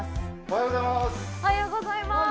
おはようございます。